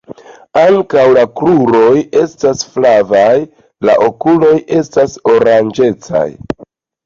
Ankaŭ la kruroj esta flavaj, La okuloj estas oranĝecaj.